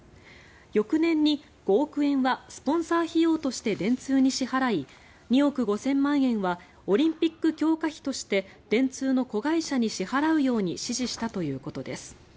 翌年に５億円はスポンサー費用として電通に支払い２億５０００万円はオリンピック強化費として電通の子会社に支払うように指示したということです。